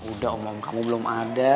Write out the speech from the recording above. udah omong kamu belum ada